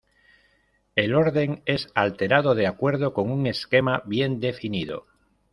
El orden es alterado de acuerdo con un esquema bien definido.